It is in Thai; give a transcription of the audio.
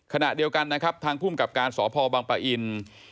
ขณะเดียวกันนะครับทางภูมิกับการสพบังปะอิน